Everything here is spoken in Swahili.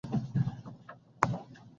likutafuta suluhu ya tatizo lilopo